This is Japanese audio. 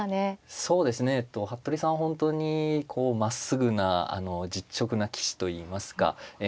そうですね服部さんは本当にこうまっすぐな実直な棋士といいますかえ